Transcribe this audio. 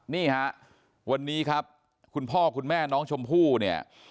นี่ฮะวันนี้ครับคุณพ่อคุณแม่น้องชมพู่เนี่ย